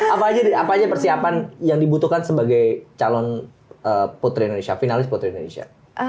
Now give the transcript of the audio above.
apa aja deh apa aja persiapan yang dibutuhkan sebagai calon putri indonesia finalis putri indonesia